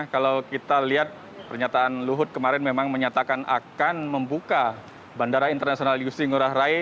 kalau kita lihat pernyataan luhut kemarin memang menyatakan akan membuka bandara internasional liusia